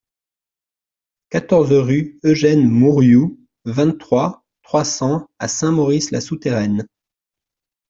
quatorze rue Eugène Mourioux, vingt-trois, trois cents à Saint-Maurice-la-Souterraine